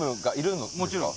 もちろん。